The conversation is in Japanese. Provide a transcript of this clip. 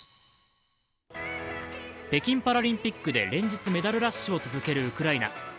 北京パラリンピックで連日メダルラッシュを続けるウクライナ。